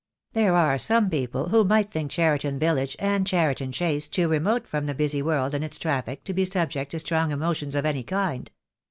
There are some people who might think Cheriton village and Cheriton Chase too remote from the busy world and its traffic to be subject to strong emotions of any kind.